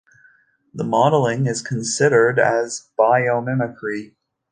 The modelling is considered as Biomimicry.